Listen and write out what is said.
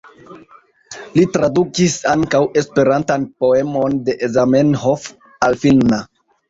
Li tradukis ankaŭ esperantan poemon de Zamenhof al finna.